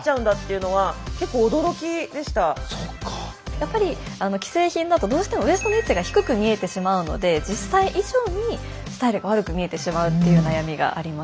やっぱり既製品だとどうしてもウエストの位置が低く見えてしまうので実際以上にスタイルが悪く見えてしまうっていう悩みがありますね。